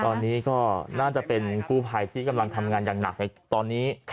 ตอนนี้ก็น่าจะเป็นกู้ภัยที่กำลังทำงานอย่างหนักในตอนนี้